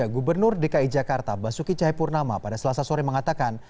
gubernur dki jakarta basuki cahayapurnama pada selasa sore mengatakan